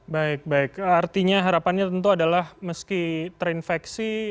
baik baik artinya harapannya tentu adalah meski terinfeksi